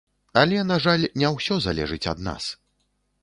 Але, на жаль, не ўсё залежыць ад нас.